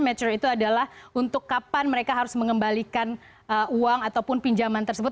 mature itu adalah untuk kapan mereka harus mengembalikan uang ataupun pinjaman tersebut